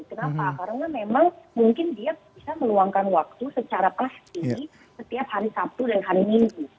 kenapa karena memang mungkin dia bisa meluangkan waktu secara pasti setiap hari sabtu dan hari minggu